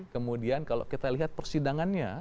kemudian kalau kita lihat persidangannya